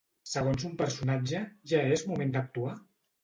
Segons un personatge, ja és moment d'actuar?